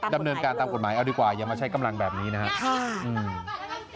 ดำเนินการตามกฎหมายเอาดีกว่าอย่ามาใช้กำลังแบบนี้นะครับ